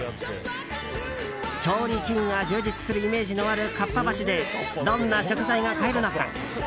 調理器具が充実するイメージのある合羽橋でどんな食材が買えるのか。